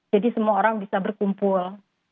jadi semua orang bisa berkumpul